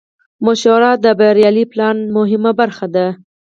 مشوره د بریالي پلان مهمه برخه ده.